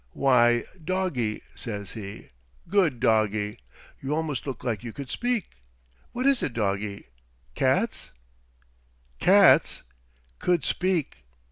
"Why, doggie," says he, "good doggie. You almost look like you could speak. What is it, doggie—Cats?" Cats! Could speak!